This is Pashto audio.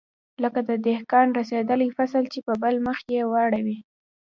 لکه د دهقان رسېدلى فصل چې په بل مخ يې واړوې.